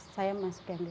saya masuk ke angkasa